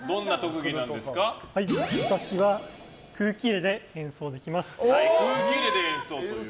私は、空気入れで演奏できます。